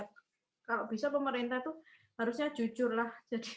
kalau bisa pemerintah itu harusnya jujur lah